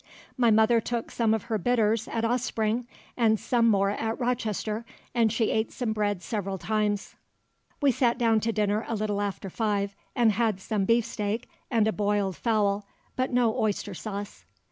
My mother took some of her bitters at Ospringe, and some more at Rochester, and she ate some bread several times. We sat down to dinner a little after five, and had some beefsteak and a boiled fowl, but no oyster sauce."